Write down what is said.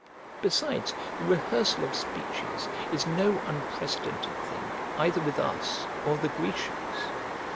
Besides the rehearsal of speeches is no unprecedented thing either with us or the Grecians.